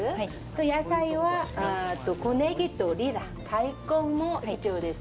野菜は小ねぎとニラ・大根も必要です